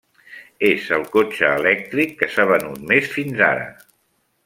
És el cotxe elèctric que s'ha venut més fins ara.